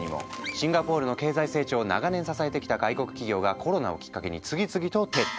シンガポールの経済成長を長年支えてきた外国企業がコロナをきっかけに次々と撤退。